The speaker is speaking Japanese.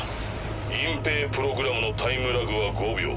隠蔽プログラムのタイムラグは５秒。